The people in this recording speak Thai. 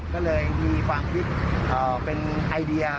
ก็เลยมีความคิดเป็นไอเดีย